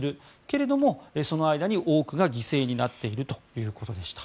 けれども、その間に多くが犠牲になっているということでした。